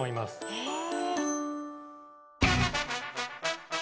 へえ。